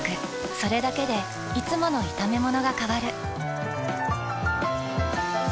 それだけでいつもの炒めものが変わる。